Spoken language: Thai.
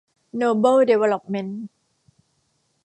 โนเบิล ดีเวลลอปเมนท์